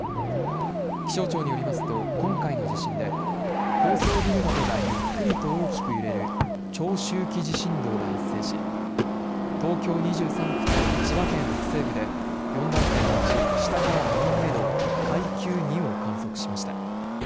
気象庁によりますと今回の地震で高層ビルなどがゆっくりと大きく揺れる長周期地震動が発生し東京２３区と千葉県北西部で４段階のうち下から２番目の階級２を観測しました。